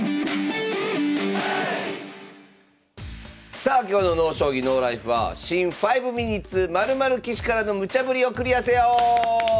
さあ今日の「ＮＯ将棋ＮＯＬＩＦＥ」は「新５ｍｉｎｕｔｅｓ○○棋士からのムチャぶりをクリアせよ」！